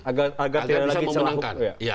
agar tidak lagi celah hukum